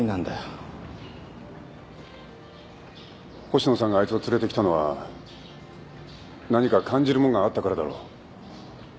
星野さんがあいつを連れてきたのは何か感じるもんがあったからだろ？